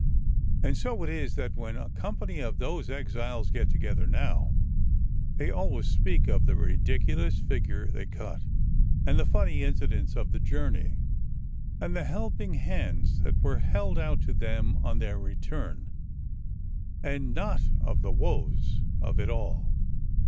And so it is that when a com pany of those exiles get together now, they always speak of the ridiculous figure they cut, and the funny incidents of the journey, and the helping hands that were held out to them on their return, and not of the woes of it all.